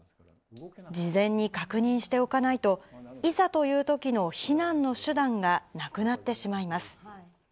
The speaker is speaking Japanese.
事前に確認しておかないと、いざというときの避難の手段がなくなってしまいます。